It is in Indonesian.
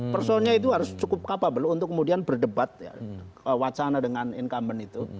personnya itu harus cukup capable untuk kemudian berdebat wacana dengan incumbent itu